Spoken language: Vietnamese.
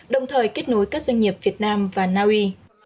đồng thời kết nối các doanh nghiệp việt nam và naui